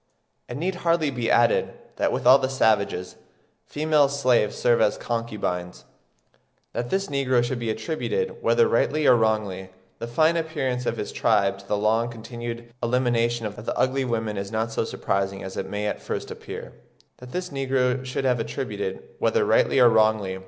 It need hardly be added that with all savages, female slaves serve as concubines. That this negro should have attributed, whether rightly or wrongly, the fine appearance of his tribe to the long continued elimination of the ugly women is not so surprising as it may at first appear; for I have elsewhere shewn (4.